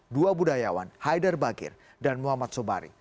dua budayawan haidar bagir dan muhammad sobari